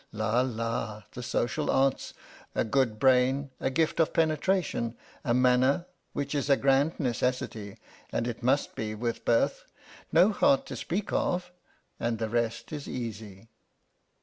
La! la! The social arts! A good brain, a gift of penetration, a manner which is a grand necessity, and it must be with birth no heart to speak of, and the rest is easy.